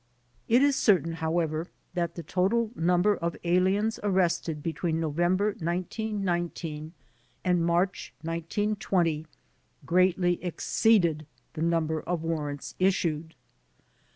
It is certain, how ever, that the total number of aliens arrested between November, 1919, and March, 1920, greatly exceeded the number of warrants issued.